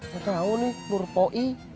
gak tau nih lurpoi